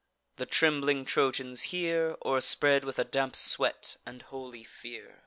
The trembling Trojans hear, O'erspread with a damp sweat and holy fear.